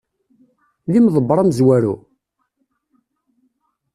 D imeḍebber amezwaru?